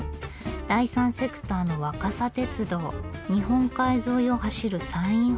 第三セクターの若桜鉄道日本海沿いを走る山陰本線。